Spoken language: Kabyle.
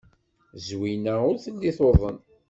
Zwina ur telli tuḍen.